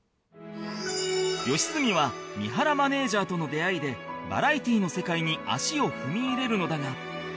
良純は三原マネージャーとの出会いでバラエティの世界に足を踏み入れるのだが